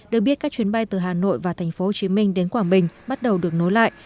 được biết các chuyến bay từ hà nội và tp hcm đến quảng bình bắt đầu được nối lại